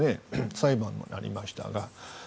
裁判になりましたが。